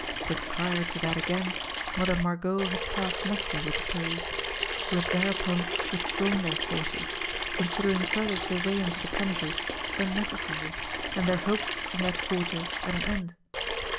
But prior to that again Mother Margot had passed muster with the police, who had thereupon withdrawn their forces, con sidering further surveillance of the premises unnecessary and their hopes from that quarter at an end.